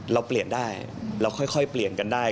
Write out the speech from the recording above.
เราเปลี่ยนได้เราค่อยเปลี่ยนกันได้